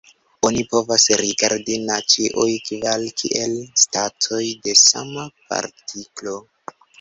Oni povas rigardi na ĉiuj kvar kiel statoj de sama partiklo.